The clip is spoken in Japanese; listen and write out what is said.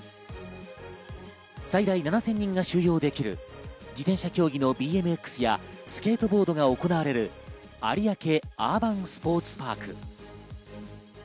最大７０００人が収容できる自転車競技のＢＭＸやスケートボードが行われる有明アーバンスポーツパーク。